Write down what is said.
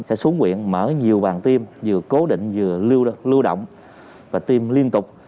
sẽ xuống quyện mở nhiều vàng tiêm vừa cố định vừa lưu động và tiêm liên tục